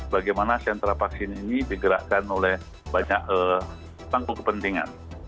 bagaimana sentra vaksin ini digerakkan oleh banyak tangku kepentingan